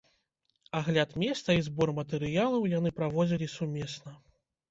Агляд месца і збор матэрыялаў яны праводзілі сумесна.